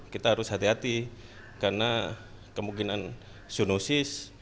kita harus hati hati karena kemungkinan zoonosis